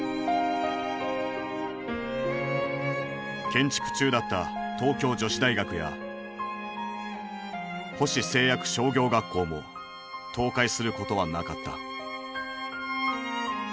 建築中だった東京女子大学や星製薬商業学校も倒壊することはなかった。